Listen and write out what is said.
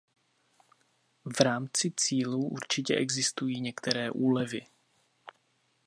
V rámci cílů určitě existují některé úlevy.